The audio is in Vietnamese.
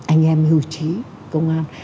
anh em hưu trí công an